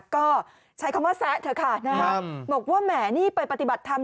ก็ใช้คำว่าแซะเถอะค่ะนะครับบอกว่าแหมนี่ไปปฏิบัติธรรม